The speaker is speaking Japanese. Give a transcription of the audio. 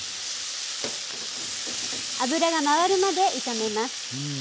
油が回るまで炒めます。